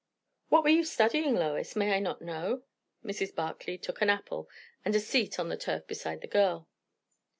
"What were you studying, Lois? May I not know?" Mrs. Barclay took an apple and a seat on the turf beside the girl.